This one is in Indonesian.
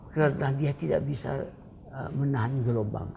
karena dia tidak bisa menahan gelombang